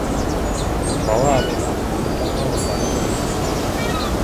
— Бала арыған, йоҡларға алып барығыҙ, — тинеләр.